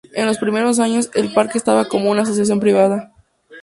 En los primeros años, el parque estaba como una asociación privada.